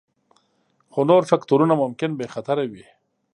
خو نور فکتورونه ممکن بې خطره وي